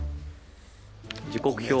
時刻表。